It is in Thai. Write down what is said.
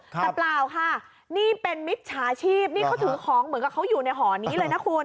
แต่เปล่าค่ะนี่เป็นมิจฉาชีพนี่เขาถือของเหมือนกับเขาอยู่ในหอนี้เลยนะคุณ